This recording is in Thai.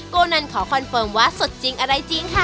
โกนันขอคอนเฟิร์มว่าสดจริงอะไรจริงค่ะ